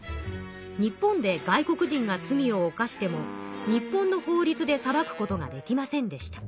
日本で外国人が罪を犯しても日本の法りつで裁くことができませんでした。